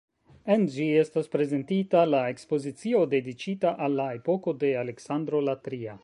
En ĝi estas prezentita la ekspozicio, dediĉita al la epoko de Aleksandro la Tria.